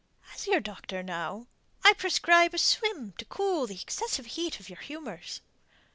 "As your doctor, now, I prescribe a swim to cool the excessive heat of your humours."